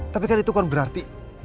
tapi kan itu kan berarti